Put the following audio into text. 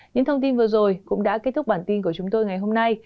những thông tin vừa rồi cũng đã kết thúc bản tin của chúng tôi ngày hôm nay